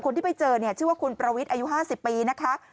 คนที่ไปเจอชื่อว่าคุณประวิทอายุ๕๐ปีนะคะ